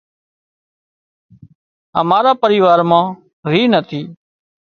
امارا پريوار مان ريهَه نٿِي